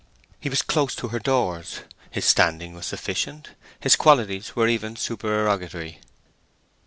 He was close to her doors: his standing was sufficient: his qualities were even supererogatory.